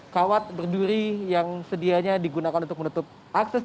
kawat berduri yang sedianya digunakan untuk menutup akses